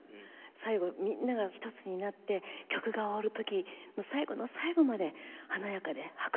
最後みんなが一つになって曲が終わる時の最後の最後まで華やかで迫力があって。